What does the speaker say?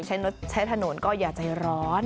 ใช้ถนนก็อย่าใจร้อน